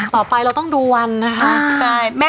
ต่อไปเราต้องดูวันนะคะ